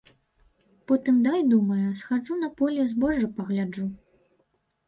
Потым дай, думае, схаджу на поле збожжа пагляджу.